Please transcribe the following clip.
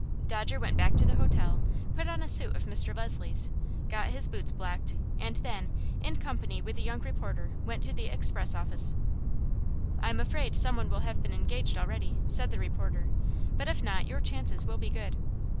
Dodger went back to the hotel, put on a suit of Mr. Leslie's, got his boots blacked, and then, in company with the young reporter, went to the express office. "I am afraid some one will have been engaged already," said the reporter; "but if not, your chances will be good."